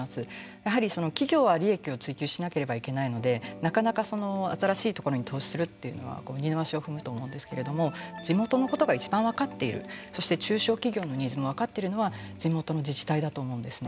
やはり企業は利益を追求しなければいけないのでなかなか新しいところに投資するっていうのは二の足を踏むと思うんですけれども地元のことがいちばん分かっているそして中小企業のニーズも分かっているのは地元の自治体だと思うんですね。